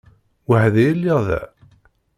Weḥd-i i lliɣ da?